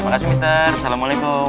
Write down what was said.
makasih ustadz assalamualaikum